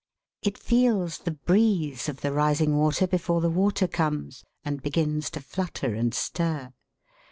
It feels the breeze of the rising water before the water comes, and begins to flutter and stir.